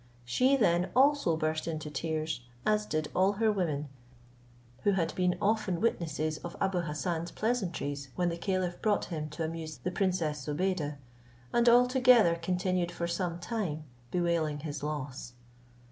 She then also burst into tears, as did all her women, who had been often witnesses of Abou Hassan's pleasantries when the caliph brought him to amuse the princess Zobeide, and all together continued for some time bewailing his loss.